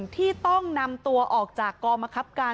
ที่ต้องนำตัวออกจากกองมะครับการ